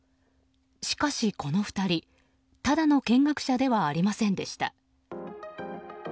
しかし、この２人ただの見学者ではありませんでした。